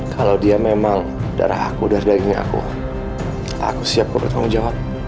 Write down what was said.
kalau dia memang darah aku darah daging aku aku siap buat tanggung jawab